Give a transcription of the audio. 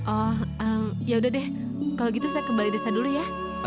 oh yaudah deh kalau gitu saya kembali desa dulu ya